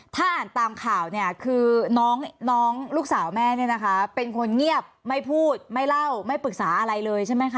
ถ้าอ่านตามข่าวเนี่ยคือน้องลูกสาวแม่เนี่ยนะคะเป็นคนเงียบไม่พูดไม่เล่าไม่ปรึกษาอะไรเลยใช่ไหมคะ